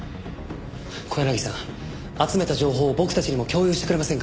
小柳さん集めた情報を僕たちにも共有してくれませんか？